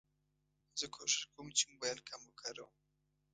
زه کوښښ کوم چې موبایل کم وکاروم.